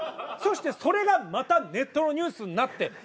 そしてそれがまたネットのニュースになって。